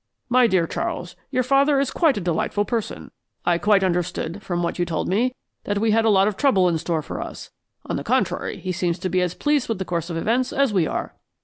My dear Charles, your father is quite a delightful person. I quite understood from what you told me that we had a lot of trouble in store for us. On the contrary, he seems to be as pleased with the course of events as we are."